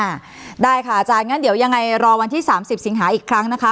ได้ค่ะอาจารย์งั้นเดี๋ยวยังไงรอวันที่สามสิบสิงหาอีกครั้งนะคะ